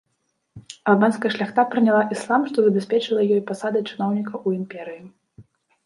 Албанская шляхта прыняла іслам, што забяспечыла ёй пасады чыноўнікаў у імперыі.